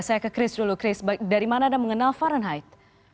saya ke chris dulu chris dari mana anda mengenal fahrenheit